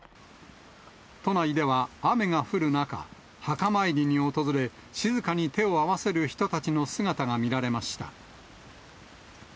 都内では雨が降る中、墓参りに訪れ、静かに手を合わせる人たちの姿が見られました。